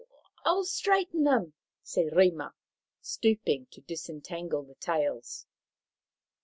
" I will straighten them," said Rima, stooping to disentangle the tails.